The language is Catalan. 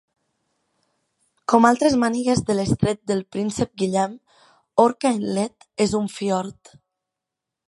Com altres mànigues de l'Estret del Príncep Guillem, Orca Inlet és un fiord.